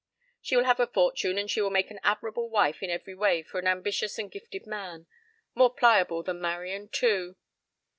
She will have a fortune and would make an admirable wife in every way for an ambitious and gifted man. More pliable than Marian, too.